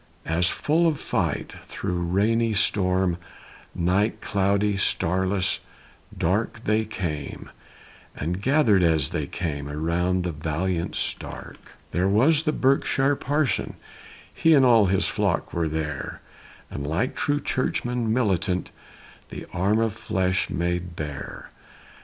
As full of fight, through rainy storm, Night, cloudy, starless, dark, They came, and gathered as they came, Around the valiant Stark. There was a Berkshire parson he And all his flock were there, And like true churchmen militant The arm of flesh made bare.